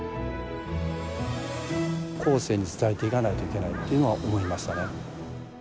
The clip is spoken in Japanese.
後世に伝えていかないといけないというのは思いましたね。